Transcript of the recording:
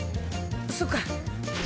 そっか。